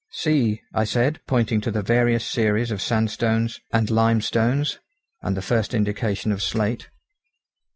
"See," I said, pointing to the varied series of sandstones and limestones, and the first indication of slate.